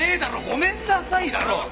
ごめんなさいだろ！